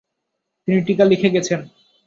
তিনি টীকা লিখে গেছেন।